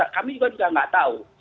kami juga nggak tahu